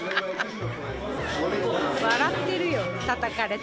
笑ってるよたたかれて。